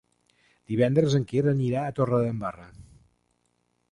Divendres en Quer anirà a Torredembarra.